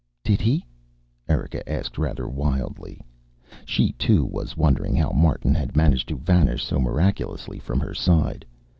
"Did he?" Erika asked, rather wildly. She too, was wondering how Martin had managed to vanish so miraculously from her side.